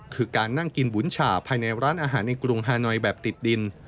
คือการนั่งกินบุ๋นฉ่าภายในร้านอาหารในกรุงฮานอยแบบติดดิน